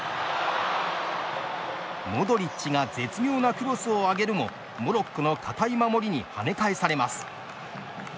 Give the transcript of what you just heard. モドリッチが絶妙なクロスを上げるもモロッコの堅い守りに跳ね返されます。